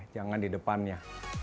jangan di depannya